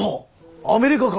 アメリカか！